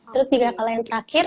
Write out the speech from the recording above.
terus juga kalau yang terakhir